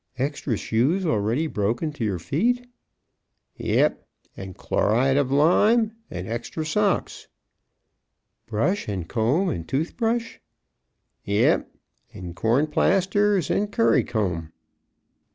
"Extra shoes already broken to your feet?" "Yep and chloride of lime and extra socks." "Brush and comb and tooth brush?" "Yep and corn plasters and curry comb."